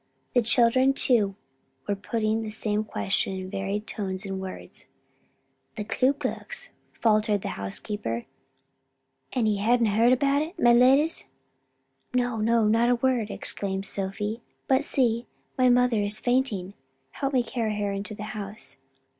The children too were putting the same question in varying tones and words. "The Ku Klux," faltered the housekeeper. "An' ye hadna heard aboot it, my leddies?" "No, no, not a word," exclaimed Sophie, "but see, my mother is fainting. Help me to carry her into the house."